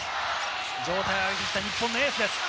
状態を上げてきた日本のエースです。